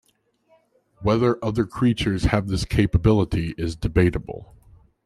Whether other creatures have this capability is debatable.